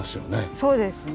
そうですね。